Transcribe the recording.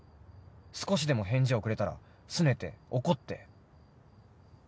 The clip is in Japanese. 少しでも返事遅れたらすねて怒って。